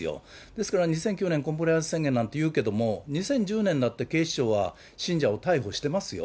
ですから、２００９年コンプライアンス宣言なんていいますけども、２０１０年だって警視庁は信者を逮捕してますよ。